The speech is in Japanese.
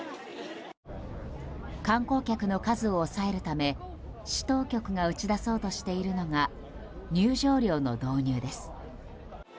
観光客の数を抑えるため市当局が打ち出そうとしているのが入場料の導入です。